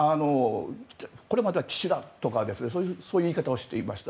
これまでは岸田とかそういう言い方をしていました。